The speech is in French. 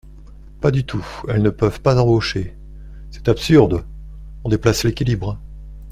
Pas du tout : elles ne peuvent pas embaucher ! C’est absurde ! On déplace l’équilibre.